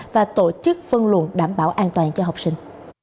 và tổ chức phân luận đảm bảo an toàn cho học sinh